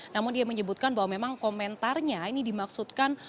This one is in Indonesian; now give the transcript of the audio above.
namun dia menyebutkan bahwa memang komentarnya ini dimaksudkan